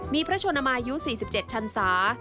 มีพระชนมายุ๔๗ชันศา